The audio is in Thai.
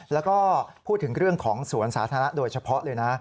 แล้วก็พูดถึงเรื่องของสวนสาธารณะโดยเฉพาะเลยนะ